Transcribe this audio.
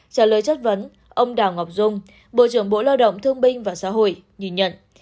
trả lời chất vấn ông đào ngọc dung bộ trưởng bộ lao động thương binh và xã hội nhìn nhận